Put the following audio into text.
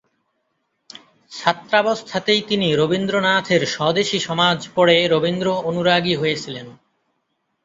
ছাত্রাবস্থাতেই তিনি রবীন্দ্রনাথের 'স্বদেশী সমাজ' পড়ে রবীন্দ্র অনুরাগী হয়েছিলেন।